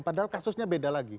padahal kasusnya beda lagi